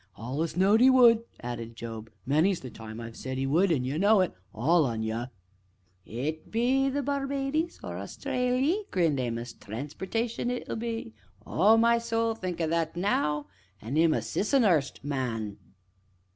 "Allus knowed as 'e would!" added Job; "many's the time I've said as 'e would, an' you know it all on you." "It'll be the Barbadies, or Austrayley!" grinned Amos; "transportation, it'll be Oh, my soul! think o' that now an' 'im a Siss'n'urst man!"